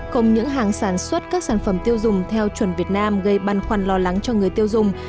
không những hàng sản xuất các sản phẩm tiêu dùng theo chuẩn việt nam gây băn khoăn lo lắng cho người tiêu dùng